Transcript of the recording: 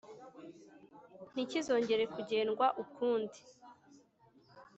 ntikizongera kugendwa ukundi.